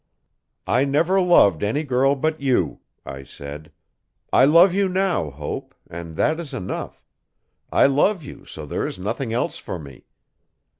'I never loved any girl but you,' I said. 'I love you now, Hope, and that is enough I love you so there is nothing else for me.